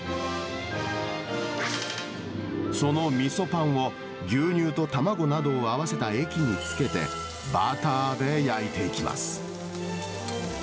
そのみそパンを、牛乳と卵などを合わせた液につけて、バターで焼いていきます。